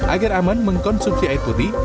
agar aman mengkonsumsi air putih